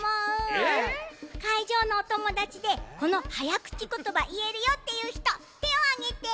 えっ！？かいじょうのおともだちでこのはやくちことばいえるよっていうひとてをあげて！